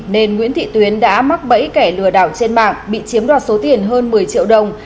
nên nguyễn thị tuyến đã mắc bẫy kẻ lừa đảo trên mạng bị chiếm đoạt số tiền hơn một mươi triệu đồng